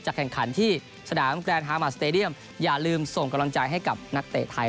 แข่งขันที่สนามแกรนฮามาสเตดียมอย่าลืมส่งกำลังใจให้กับนักเตะไทย